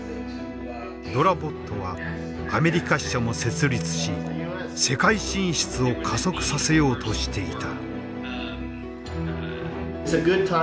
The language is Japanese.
ｄｏｒａｂｏｔはアメリカ支社も設立し世界進出を加速させようとしていた。